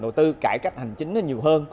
đầu tư cải cách hành chính nhiều hơn